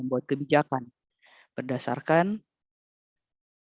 ini adalah peran yang diperlukan oleh pemerintah untuk membuat kebijakan